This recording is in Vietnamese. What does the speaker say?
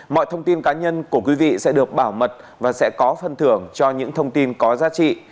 mọi thông tin cá nhân của quý vị sẽ được bảo mật và sẽ có phân thưởng cho những thông tin có giá trị